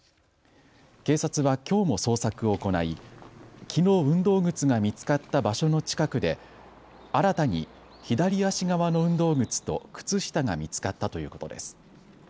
警察はきょうも捜索を行いきのう運動靴が見つかった場所の近くで新たに左足側の運動靴と靴下が見つかったということです。